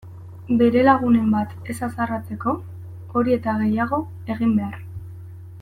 Bere lagunen bat ez haserretzeko hori eta gehiago egin behar!